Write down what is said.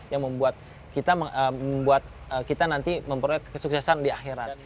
yang membuat kita nanti memproyek kesuksesan di akhirat